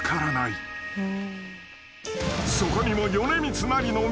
［そこにも］